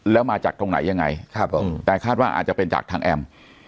แล้วมาจากตรงไหนยังไงครับผมแต่คาดว่าอาจจะเป็นจากทางแอม